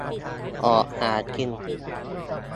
ออกหากิน